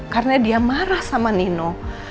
karena dia marah sama nino